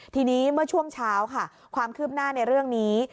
ทีนี้เมื่อช่วงเช้าค่ะความคืบหน้าในเรื่องนี้